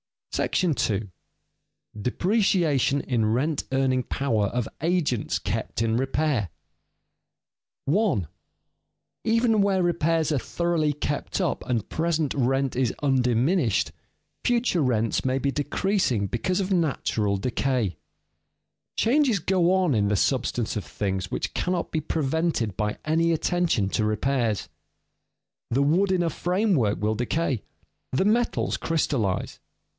§ II. DEPRECIATION IN RENT EARNING POWER OF AGENTS KEPT IN REPAIR [Sidenote: Repairs can not always prevent ultimate decay of agents] 1. _Even where repairs are thoroughly kept up and present rent is undiminished, future rents may be decreasing because of natural decay._ Changes go on in the substance of things which cannot be prevented by any attention to repairs. The wood in a framework will decay, the metals crystallize.